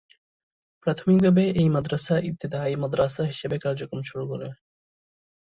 প্রাথমিকভাবে এই মাদ্রাসা ইবতেদায়ী মাদ্রাসা হিসাবে কার্যক্রম চালু করে।